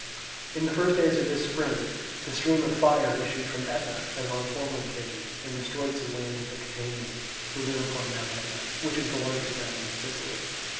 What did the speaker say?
In the first days of this spring, the stream of fire issued from Etna, as on former occasions, and destroyed some land of the Catanians, who live upon Mount Etna, which is the largest mountain in Sicily.